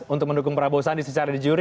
untuk mendukung prabowo sandi secara di juri